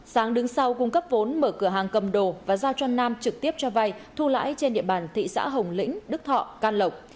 sáng đứng sau cung cấp vốn mở cửa hàng cầm đồ và giao cho nam trực tiếp cho vay thu lãi trên địa bàn thị xã hồng lĩnh đức thọ can lộc